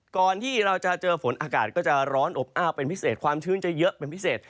ก่อนที่เราจะเจอฝนอากาศก็จะร้อนอบอ้าวเป็นพิเศษความชื้นจะเยอะเป็นพิเศษ